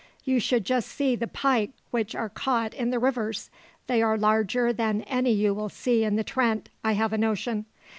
You should just see the pike which are caught in the rivers! they are larger than any you will see in the Trent, I have a notion.